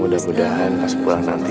mudah mudahan pas pulang nanti